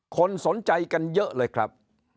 คนสนใจกันเยอะเลยครับ